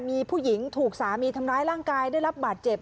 มีผู้หญิงถูกสามีทำร้ายร่างกายได้รับบาดเจ็บ